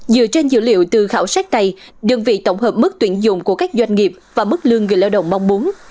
dựa trên dữ liệu từ khảo sát này đơn vị tổng hợp mức tuyển dụng của các doanh nghiệp và mức lương người lao động mong muốn